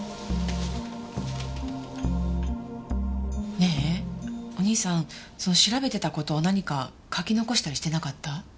ねえお兄さんその調べてた事何か書き残したりしてなかった？